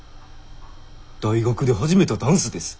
大学で始めたダンスです。